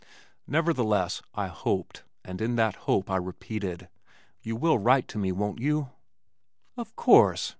Nevertheless I hoped, and in that hope I repeated, "You will write to me, won't you?" "Of course!"